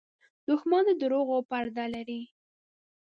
دښمن د دروغو پرده لري